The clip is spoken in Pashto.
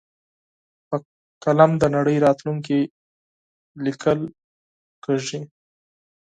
په قلم د نړۍ راتلونکی لیکل کېږي.